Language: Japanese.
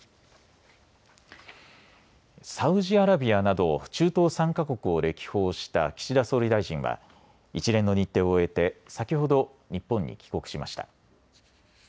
サウジアラビアなど中東３か国を歴訪した岸田総理大臣は一連の日程を終えて先ほど日本に帰国しました。